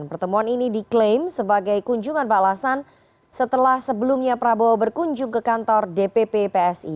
pertemuan ini diklaim sebagai kunjungan balasan setelah sebelumnya prabowo berkunjung ke kantor dpp psi